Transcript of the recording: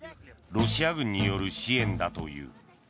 ロシア軍による支援だという。